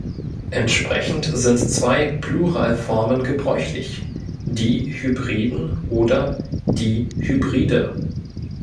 Entsprechend sind zwei Pluralformen gebräuchlich: "die Hybriden" oder "die Hybride".